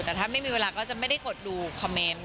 แต่ถ้าไม่มีเวลาก็จะไม่ได้กดดูคอมเมนต์